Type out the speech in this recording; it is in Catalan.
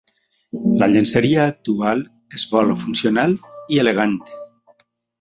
La llenceria actual es vol funcional i elegant.